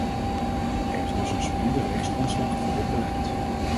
Er is dus een solide rechtsgrondslag voor dit beleid.